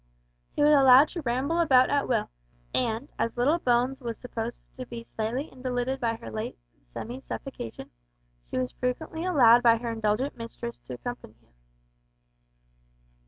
He was allowed to ramble about at will, and, as little Bones was supposed to be slightly invalided by her late semi suffocation, she was frequently allowed by her indulgent mistress to accompany him.